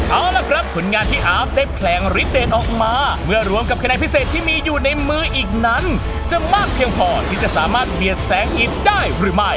เอาล่ะครับผลงานที่อาร์ฟได้แผลงฤทธเดตออกมาเมื่อรวมกับคะแนนพิเศษที่มีอยู่ในมืออีกนั้นจะมากเพียงพอที่จะสามารถเบียดแสงอีกได้หรือไม่